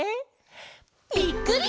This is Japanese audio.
ぴっくり！